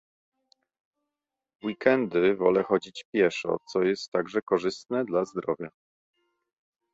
W weekendy wolę chodzić pieszo, co jest także korzystne dla zdrowia